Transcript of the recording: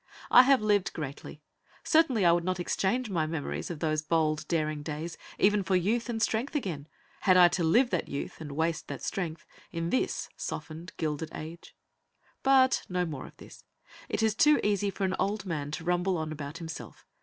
I have lived greatly; certainly I would not exchange my memories of those bold, daring days even for youth and strength again, had I to live that youth and waste that strength in this softened, gilded age. But no more of this; it is too easy for an old man to rumble on about himself.